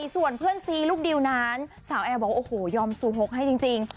ส่วนเพื่อนซีลูกดิวนั้นสาวแอร์บอกโอ้โหยอมซูมกให้จริง